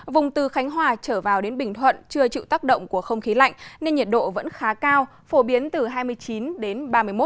vùng từ khánh hòa trở vào đến bình thuận chưa chịu tác động của không khí lạnh nên nhiệt độ vẫn khá cao phổ biến từ hai mươi chín đến ba mươi một độ